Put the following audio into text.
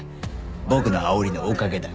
僕のあおりのおかげだ。